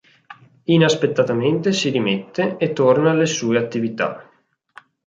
Inaspettatamente si rimette e torna alle sue attività.